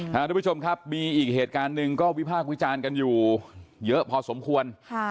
ทุกผู้ชมครับมีอีกเหตุการณ์หนึ่งก็วิพากษ์วิจารณ์กันอยู่เยอะพอสมควร